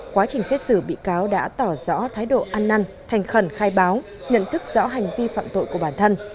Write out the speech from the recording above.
quá trình xét xử bị cáo đã tỏ rõ thái độ ăn năn thành khẩn khai báo nhận thức rõ hành vi phạm tội của bản thân